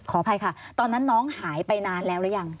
ขออภัยค่ะตอนนั้นน้องหายไปนานแล้วหรือยัง